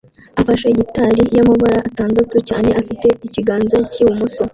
afashe gitari yamabara atandatu cyane afite ikiganza cyibumoso